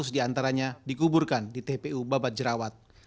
tiga ratus di antaranya dikuburkan di tpu babat jerawat